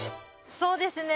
そうですね。